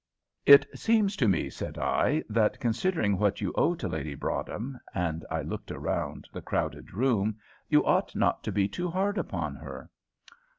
"It seems to me," said I, "that, considering what you owe to Lady Broadhem," and I looked round the crowded room, "you ought not to be too hard upon her."